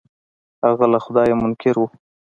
هغه له خدايه منکر و.